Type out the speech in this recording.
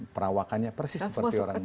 perawakannya persis seperti orang tua